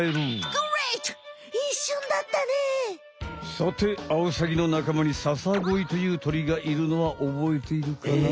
さてアオサギのなかまにササゴイというとりがいるのはおぼえているかな？え？